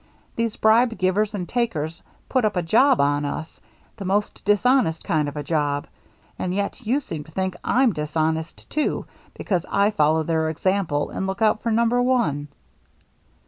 These bribe ^vers and takers put up a job on us, the most dishonest kind of a job, and yet you seem to think I'm dishonest, too, because I follow their example and look out for number one."